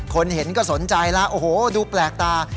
เห็นก็สนใจแล้วโอ้โหดูแปลกตา